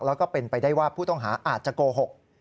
แล้วก็เป็นไปได้ว่าผู้ต้องหาอาจจะโกหก